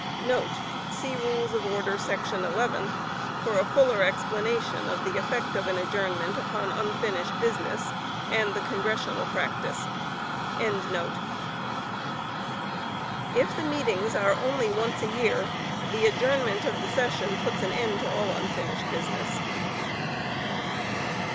[See Rules of Order, § 11, for a fuller explanation of the effect of an adjournment upon unfinished business, and the Congressional practice.] If the meetings are only once a year, the adjournment of the session puts an end to all unfinished business.